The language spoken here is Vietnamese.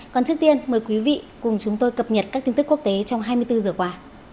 còn trước tiên mời quý vị cùng chúng tôi cập nhật các tin tức quốc tế trong hai mươi bốn giờ qua